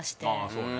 そうね